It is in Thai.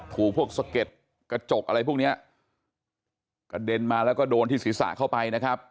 ถูกพวกสะเก็ดกระจกอะไรพวกเนี้ยกระเด็นมาแล้วก็โดนที่ศีรษะเข้าไปนะครับ